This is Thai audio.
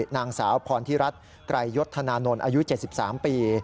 นางสาวพรทิรัฐไกรยศธนานนท์อายุ๗๓ปี